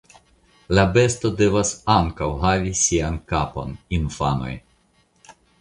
La besto devas ankaŭ havi sian kapon, infanoj!